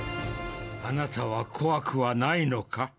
あなたは怖くはないのか。